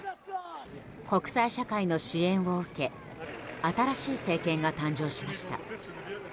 国際社会の支援を受け新しい政権が誕生しました。